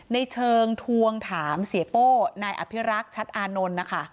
ในเชิงทวงถามเสียโป้นายอภิรักษ์ชัดอานนท์นะคะ